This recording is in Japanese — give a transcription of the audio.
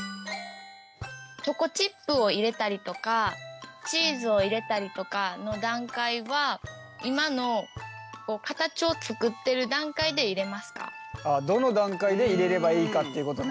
チョコチップを入れたりとかチーズを入れたりとかの段階はどの段階で入れればいいかっていうことね。